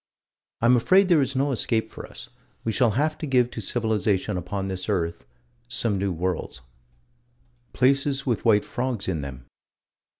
I'm afraid there is no escape for us: we shall have to give to civilization upon this earth some new worlds. Places with white frogs in them.